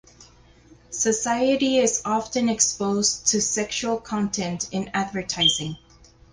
Society is often exposed to sexual content in advertising.